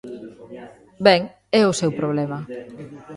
Ben, é o seu problema.